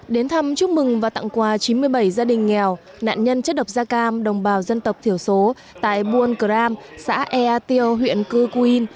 đến thăm chúc mừng và tặng quà chín mươi bảy gia đình nghèo nạn nhân chất độc da cam đồng bào dân tộc thiểu số tại buôn cram xã ea tiêu huyện cư cu yên